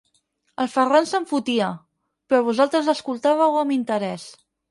El Ferran se'n fotia, però vosaltres l'escoltàveu amb interès.